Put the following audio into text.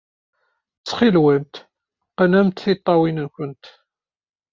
Ttxil-went, qqnemt tiṭṭawin-nwent.